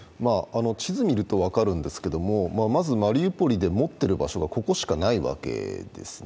地図見ると分かるんですけど、まずマリウポリで持っている場所がここしかないわけです。